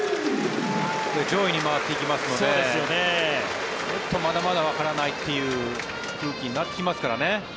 上位に回っていきますのでちょっとまだまだわからないという空気になってきますからね。